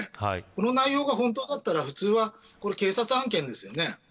この内容が本当だったら普通は警察案件ですよね。